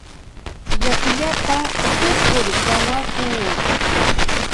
Yakullata upukur kawakuu.